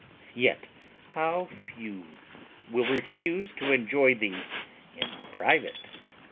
yet, how few will refuse to enjoy thee in private?